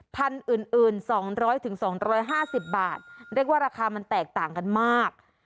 พันธุ์อื่น๒๐๐๒๕๐บาทเรียกว่าราคามันแตกต่างกันมาก